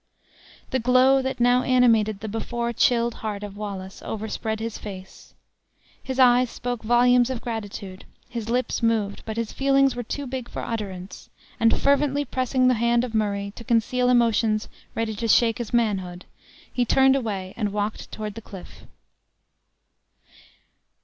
The glow that now animated the before chilled heart of Wallace, overspread his face. His eyes spoke volumes of gratitude, his lips moved, but his feelings were too big for utterance, and, fervently pressing the hand of Murray, to conceal emotions ready to shake his manhood, he turned away, and walked toward the cliff.